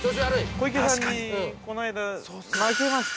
◆小池さんに、この間、負けまして。